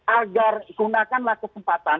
agar gunakanlah kesempatan